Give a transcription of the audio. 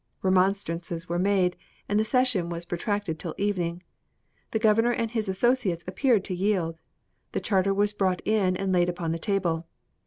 Remonstrances were made, and the session was protracted till evening. The governor and his associates appeared to yield. The charter was brought in and laid upon the table.